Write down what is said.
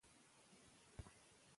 زده کړه د هر ماشوم حق دی.